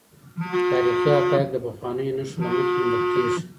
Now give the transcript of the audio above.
تاریخي حقایق د پخوانیو نښو له مخې موندل کیږي.